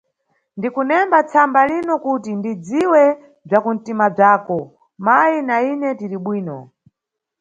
Ndikunemba tsamba lino kuti ndidziwe bzakunʼtima bzako, mayi na ine tiribwino.